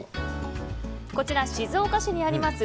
こちら、静岡市にあります